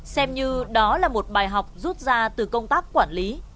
xem như đó là một bài học rút ra từ công tác quản lý